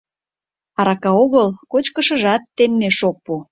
— Арака огыл, кочкашыжат теммеш ок пу.